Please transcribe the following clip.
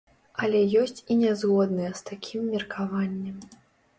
Але ёсць і нязгодныя з такім меркаваннем.